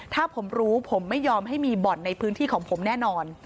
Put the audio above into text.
ถ้าผมรู้ผมไม่ยอมให้มีบ่อนในพื้นที่ของผมแน่นอน